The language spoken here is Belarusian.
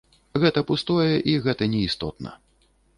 Гэта пустое і гэта неістотна.